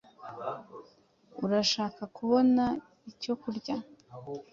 Urashaka kubona icyo kurya?